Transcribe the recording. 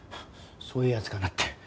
そういうやつかなって。